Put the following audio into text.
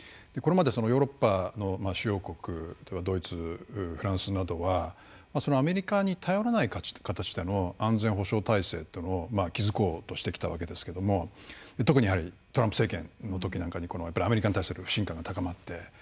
これまでヨーロッパの主要国ドイツフランスなどはアメリカに頼らない形での安全保障体制というのを築こうとしてきたわけですけども特にやはりトランプ政権のときなんかにこのアメリカに対する不信感が高まって。